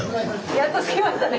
やっと着きましたね。